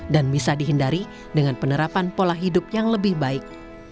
dan bisa dihindari dengan penerapan pola hidup yang lebih baik